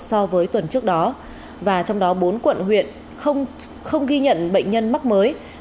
so với tuần trước đó và trong đó bốn quận huyện không ghi nhận bệnh nhân mắc mới